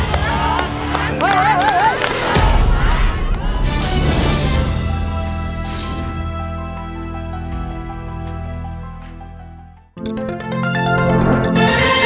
สวัสดีครับ